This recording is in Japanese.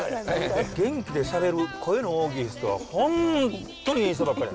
元気でしゃべる声の大きい人は本当にいい人ばっかり。